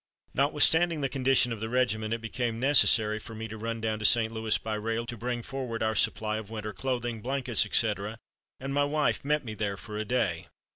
Notwithstanding the condition of the regiment it became necessary for me to run down to St. Louis by rail to bring forward our supply of winter clothing, blankets, etc., and my wife met me there for a day.